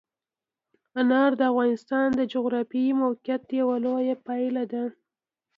انار د افغانستان د جغرافیایي موقیعت یوه لویه پایله ده.